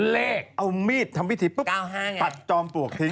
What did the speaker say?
เลขเอามีดทำพิธีปุ๊บปัดจอมปลวกที